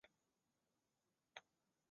在这附近高速公路与交汇。